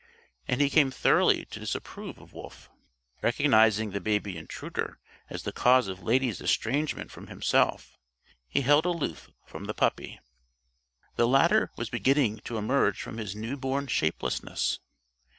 And he came thoroughly to disapprove of Wolf. Recognizing the baby intruder as the cause of Lady's estrangement from himself, he held aloof from the puppy. The latter was beginning to emerge from his newborn shapelessness.